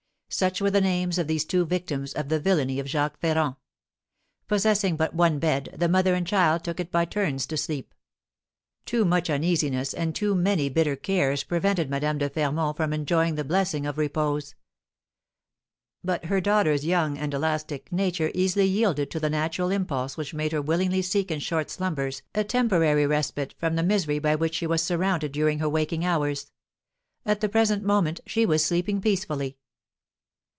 Such were the names of these two victims of the villainy of Jacques Ferrand. Possessing but one bed, the mother and child took it by turns to sleep. Too much uneasiness and too many bitter cares prevented Madame de Fermont from enjoying the blessing of repose; but her daughter's young and elastic nature easily yielded to the natural impulse which made her willingly seek in short slumbers a temporary respite from the misery by which she was surrounded during her waking hours. At the present moment she was sleeping peacefully.